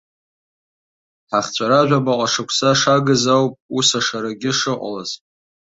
Ҳахҵәара жәабаҟа шықәса шагыз ауп ус ашарагьы шыҟалаз.